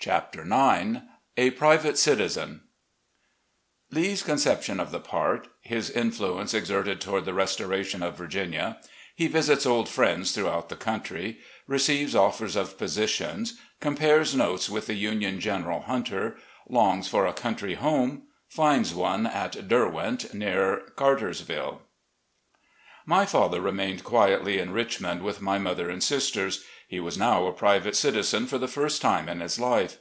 CHAPTER IX A Private Citizen lee's conception op the part — HIS INFLUENCE EXERTED TOWARD THE RESTORATION OF VIRGINIA — ^HE VISITS OLD FRIENDS THROUGHOUT THE COUNTRY — RECEIVES OFFERS OP POSITIONS — COMPARES NOTES WITH THE UNION GENERAL HUNTER — LONGS FOR A COUNTRY HOME — ^FINDS ONE AT " DERWENT," NEAR CARTERS VILLE My father remained quietly in Richmond with my mother and sisters. He was now a private citizen for the first time in his life.